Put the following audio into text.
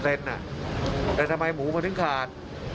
แต่ทำไมหมูมันถึงขาด